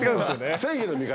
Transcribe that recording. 正義の味方？